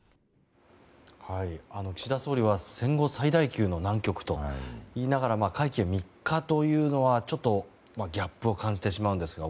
岸田総理は戦後最大級の難局と言いながら会期は３日というのはちょっとギャップを感じてしまうんですが。